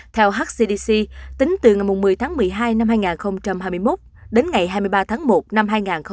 theo hcdc tính từ ngày một mươi tháng một mươi hai năm hai nghìn hai mươi một đến ngày hai mươi ba tháng một năm hai nghìn hai mươi